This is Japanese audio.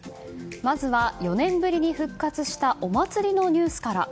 まずは、４年ぶりに復活したお祭りのニュースから。